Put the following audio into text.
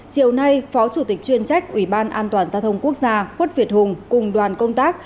chiều nay phó chủ tịch chuyên trách ủy ban an toàn giao thông quốc gia quất việt hùng cùng đoàn công tác